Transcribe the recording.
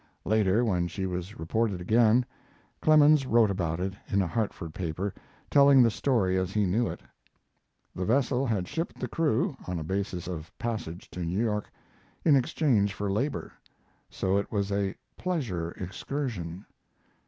Later, when she was reported again, Clemens wrote about it in a Hartford paper, telling the story as he knew it. The vessel had shipped the crew, on a basis of passage to New York, in exchange for labor. So it was a "pleasure excursion!"